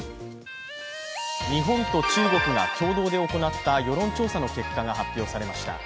日本と中国が共同で行った世論調査の結果が発表されました。